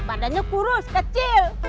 badannya kurus kecil